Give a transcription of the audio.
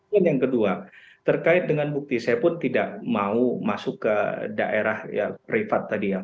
dan yang kedua terkait dengan bukti saya pun tidak mau masuk ke daerah privat tadi ya